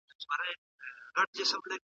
بیا به نه کوم له سپي شکایتونه